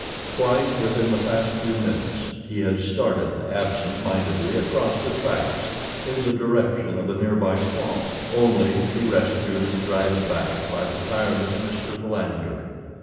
Twice within the past few minutes he has started absent mindedly across the tracks in the direction of a near by swamp, only to be rescued and dragged back by the tireless Mr. Philander.